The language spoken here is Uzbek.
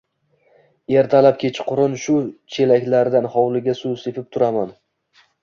Ertalab, kechqurun shu chelaklarda hovliga suv sepib, supuraman